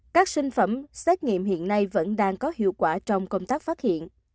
các sinh phẩm xét nghiệm hiện nay vẫn đang có hiệu quả trong công tác phát hiện